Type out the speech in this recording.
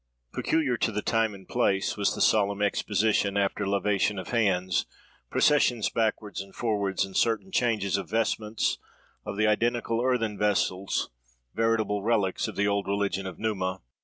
Peculiar to the time and place was the solemn exposition, after lavation of hands, processions backwards and forwards, and certain changes of vestments, of the identical earthen vessels—veritable relics of the old religion of Numa!